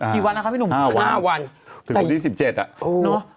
กี่วันล่ะครับพี่หนุ่ม๕วันถึงศูนย์๑๗อ่ะโอ้ว